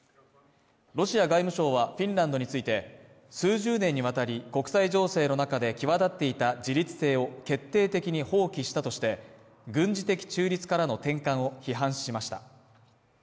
ロシア外務省は、フィンランドについて、数十年にわたり国際情勢の中で際立っていた自律性を決定的に放棄したとして、軍事的中立からの転換を批判しました。